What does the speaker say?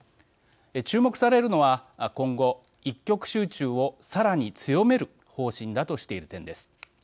注目されるのは今後、一極集中をさらに強める方針だとしている点です。